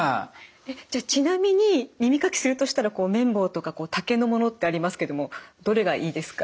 じゃちなみに耳かきするとしたら綿棒とか竹のものってありますけどもどれがいいですか？